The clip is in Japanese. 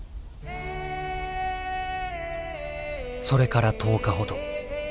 それから１０日ほど。